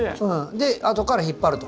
で後から引っ張ると。